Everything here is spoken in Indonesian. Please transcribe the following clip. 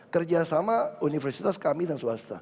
kerja sama universitas kami dan swasta